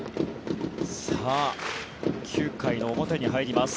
９回の表に入ります。